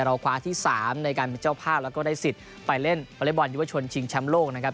คว้าที่๓ในการเป็นเจ้าภาพแล้วก็ได้สิทธิ์ไปเล่นวอเล็กบอลยุวชนชิงแชมป์โลกนะครับ